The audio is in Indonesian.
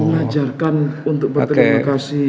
mengajarkan untuk berterima kasih